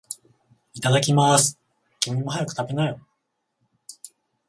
いただきまーす。君も、早く食べなよ。